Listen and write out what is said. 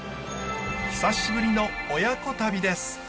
久しぶりの親子旅です。